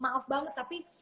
maaf banget tapi